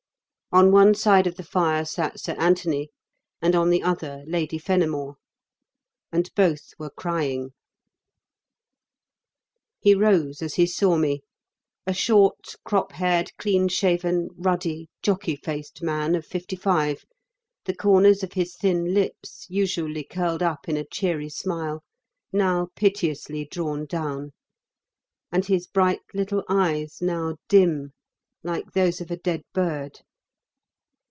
On one side of the fire sat Sir Anthony, and on the other, Lady Fenimore. And both were crying. He rose as he saw me a short, crop haired, clean shaven, ruddy, jockey faced man of fifty five, the corners of his thin lips, usually curled up in a cheery smile, now piteously drawn down, and his bright little eyes now dim like those of a dead bird.